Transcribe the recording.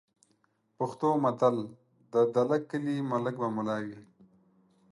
پښتو متل: "د دله کلي ملک به مُلا وي"